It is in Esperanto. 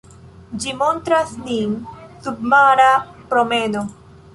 Ĝi montras nin submara promeno.